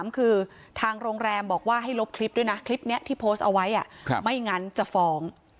คือทางโรงแรมบอกว่าให้ลบคลิปด้วยนะคลิปนี้ที่โพสต์เอาไว้ไม่งั้นจะฟ้อง